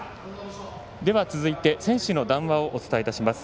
続いて選手の談話をお伝えします。